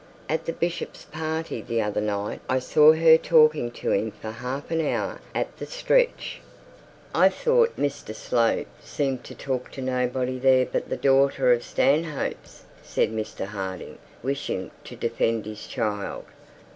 At the bishop's party the other night, I saw her talking to him for half an hour at the stretch.' 'I thought Mr Slope seemed to talk to nobody there but that daughter of Stanhope's,' said Mr Harding, wishing to defend his child.